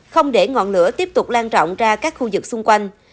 không để ngọn lửa tiếp tục lan trọng ra các khu vực xung quanh